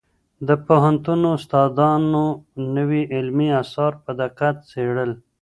د پوهنتون استادانو نوي علمي اثار په دقت څېړل.